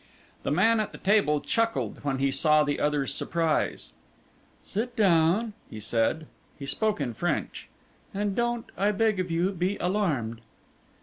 The man at the table chuckled when he saw the other's surprise. "Sit down," he said he spoke in French "and don't, I beg of you, be alarmed."